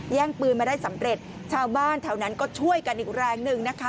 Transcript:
แย่งปืนมาได้สำเร็จชาวบ้านแถวนั้นก็ช่วยกันอีกแรงหนึ่งนะคะ